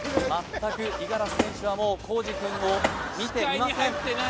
全く五十嵐選手はもうコージくんを見ていません